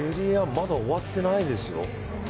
まだ終わってないですよ。